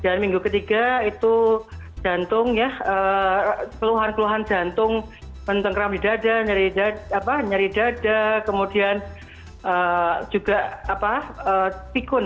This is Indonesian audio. dan minggu ketiga itu jantung ya keluhan keluhan jantung mentengkram di dada nyari dada kemudian juga pikun